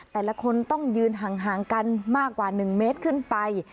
แต่ละคนต้องยืนห่างกันมากกว่า๑เมตรขึ้นไป